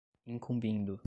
incumbindo